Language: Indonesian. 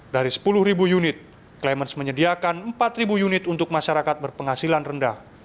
dari sepuluh unit climaz menyediakan empat unit untuk masyarakat berpenghasilan rendah